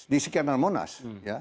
di sekitar monas